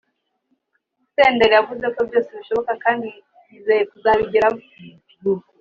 Senderi yavuze ko byose bishoboka kandi yizeye kuzabigeraho